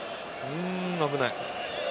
危ない。